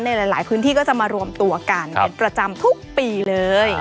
หลายพื้นที่ก็จะมารวมตัวกันเป็นประจำทุกปีเลย